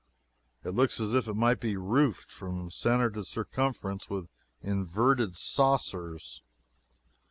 It looks as if it might be roofed, from centre to circumference, with inverted saucers.